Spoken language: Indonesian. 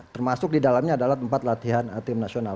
termasuk di dalamnya adalah tempat latihan tim nasional